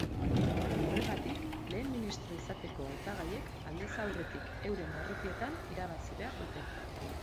Horregatik, lehen ministro izateko hautagaiek aldez aurretik euren barrutietan irabazi behar dute.